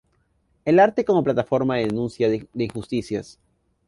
El arte como plataforma de denuncia de injusticias.